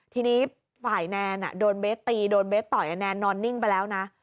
ทีนี้ฝ่ายแนนโดนเบสตีโดนเบสต่อยแนนนอนนิ่งไปแล้วนะ